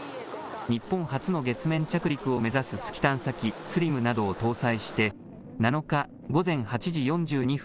日本初の月面着陸を目指す月探査機ＳＬＩＭなどを搭載して７日、午前８時４２分